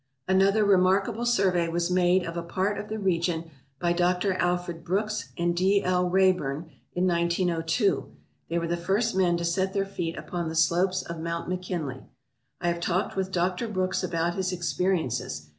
Another remarkable survey was made of a part of the region by Dr. Alfred Brooks and D. L. Reyburn in 1902. They were the first men to set their feet upon the slopes of Mount McKinley. I have talked with Doctor Brooks about his experiences.